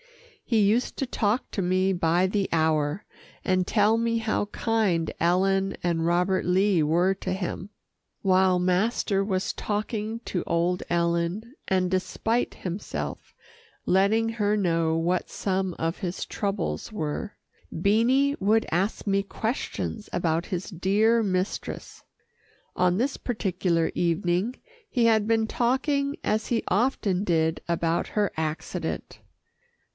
He used to talk to me by the hour, and tell me how kind Ellen and Robert Lee were to him. While master was talking to old Ellen, and despite himself, letting her know what some of his troubles were, Beanie would ask me questions about his dear mistress. On this particular evening he had been talking as he often did about her accident.